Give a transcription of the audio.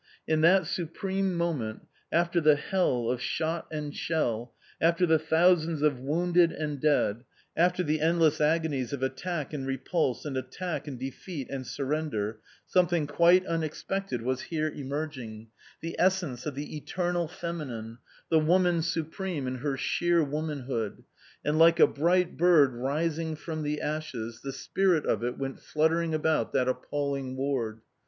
In that supreme moment, after the hell of shot and shell, after the thousands of wounded and dead, after the endless agonies of attack and repulse and attack and defeat and surrender, something quite unexpected was here emerging, the essence of the Eternal Feminine, the woman supreme in her sheer womanhood; and like a bright bird rising from the ashes, the spirit of it went fluttering about that appalling ward.